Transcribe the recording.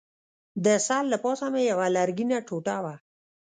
د سر له پاسه مې یوه لرګینه ټوټه وه.